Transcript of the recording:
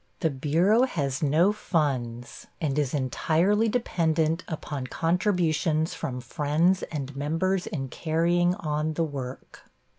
The bureau has no funds and is entirely dependent upon contributions from friends and members in carrying on the work.